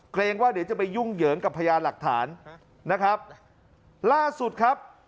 เกรงว่าเดี๋ยวจะไปยุ่งเหยิงกับพยานหลักฐานนะครับล่าสุดครับ